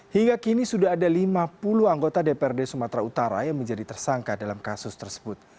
hingga kini sudah ada lima puluh anggota dprd sumatera utara yang menjadi tersangka dalam kasus tersebut